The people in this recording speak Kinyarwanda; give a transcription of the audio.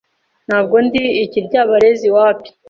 Ntabwo ndi Ikiryabarezi wapi